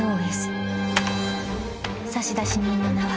［差出人の名は］